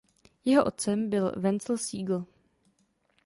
Jeho otcem byl Wenzel Siegl.